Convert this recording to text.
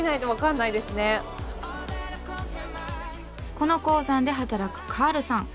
この鉱山で働くカールさん。